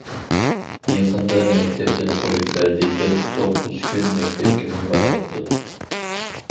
يېقىندا، مەكتەپتىن قويۇپ بەردى، دەپ توققۇز كۈن مەكتەپكىمۇ بارماپتۇ.